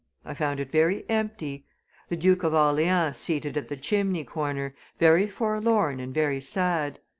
I found it very empty; the Duke of Orleans seated at the chimney corner, very forlorn and very sad.